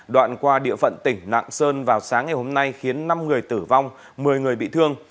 đoạn qua địa phận tỉnh lạng sơn vào sáng ngày hôm nay khiến năm người tử vong một mươi người bị thương